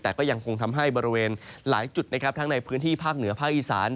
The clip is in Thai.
แต่ก็ยังคงทำให้บริเวณหลายจุดนะครับทั้งในพื้นที่ภาคเหนือภาคอีสาน